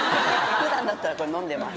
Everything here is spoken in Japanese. ふだんだったらこれ、飲んでます。